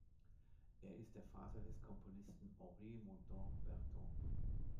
Er ist der Vater des Komponisten Henri-Montan Berton.